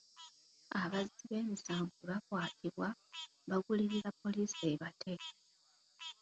Abazzi b'emisango bwe bakwatibwa, bagulirira poliise ebate.